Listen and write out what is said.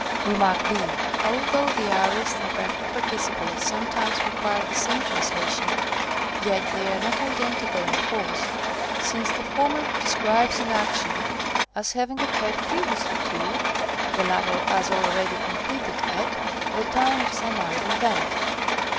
Rem. b. Although the aorist and perfect participles sometimes require the same translation, yet they are not identical in force, since the former _ describes an action as having occurred previously to, the latter as already completed at, the time of some other event.